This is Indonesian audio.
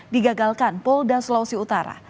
digagalkan polda sulawesi utara